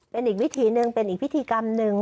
เป็นอีกวิธีหนึ่งเป็นอีกพิธีกรรมหนึ่ง